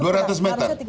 lebarnya tiga ratus meter